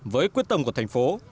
với quyết tâm của thành phố